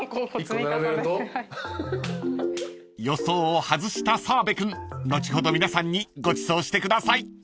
［予想を外した澤部君後ほど皆さんにごちそうしてください］